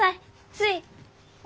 つい。